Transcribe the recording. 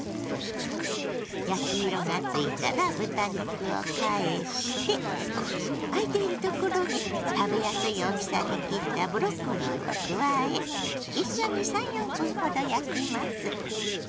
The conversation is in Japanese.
焼き色がついたら豚肉を返してあいているところに食べやすい大きさに切ったブロッコリーを加え一緒に３４分ほど焼きます。